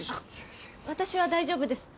私は大丈夫です。